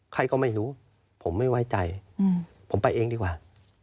ใครก็ไม่รู้ผมไม่ไว้ใจผมไปเองดีกว่า